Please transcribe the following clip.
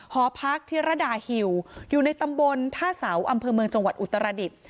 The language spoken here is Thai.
หอพักธิรดาฮิวอยู่ในตำบลท่าเสาอำเภอเมืองจังหวัดอุตรดิษฐ์